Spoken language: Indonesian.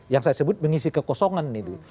yang saya sebut mengisi kekosongan itu